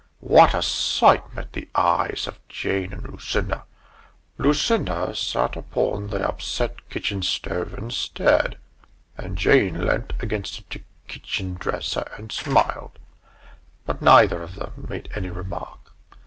What a sight met the eyes of Jane and Lucinda! Lucinda sat upon the upset kitchen stove and stared; and Jane leant against the kitchen dresser and smiled but neither of them made any remark.